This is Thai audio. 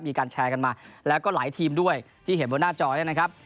มีการแชร์กันมาแล้วก็หลายทีมด้วยที่เห็นบนหน้าจอเนี่ยนะครับ